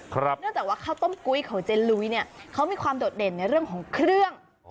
เนื่องจากว่าข้าวต้มกุ้ยของเจลุ้ยเนี่ยเขามีความโดดเด่นในเรื่องของเครื่อง